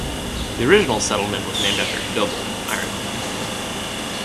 The original settlement was named after Dublin, Ireland.